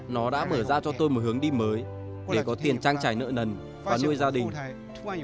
nó đã mở ra cho tôi một hướng đi mới để có tiền trang trải nợ nần và nuôi gia đình